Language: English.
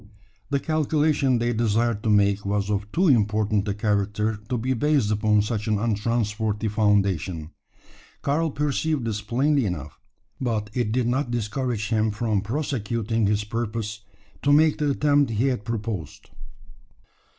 The calculation they desired to make was of too important a character to be based upon such an untrustworthy foundation. Karl perceived this plainly enough; but it did not discourage him from prosecuting his purpose to make the attempt he had proposed.